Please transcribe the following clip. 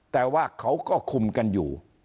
แต่ว่าเขาก็คุมกันอยู่